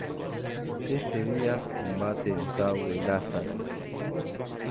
Ese día combate en Sao de Lázaro...